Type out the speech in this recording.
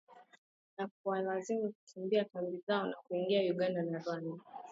Na kuwalazimu kukimbia kambi zao na kuingia Uganda na Rwanda.